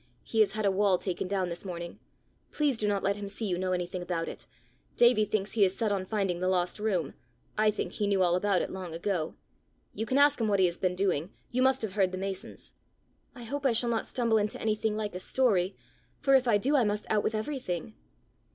He has had a wall taken down this morning. Please do not let him see you know anything about it. Davie thinks he is set on finding the lost room: I think he knew all about it long ago. You can ask him what he has been doing: you must have heard the masons!" "I hope I shall not stumble into anything like a story, for if I do I must out with everything!"